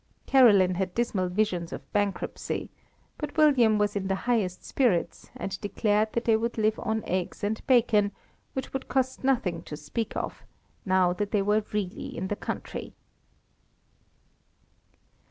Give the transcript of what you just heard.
Caroline had dismal visions of bankruptcy, but William was in the highest spirits, and declared that they would live on eggs and bacon, "which would cost nothing to speak of, now that they were really in the country."